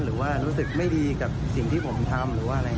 หรือว่ารู้สึกไม่ดีกับสิ่งที่ผมทำหรือว่าอะไร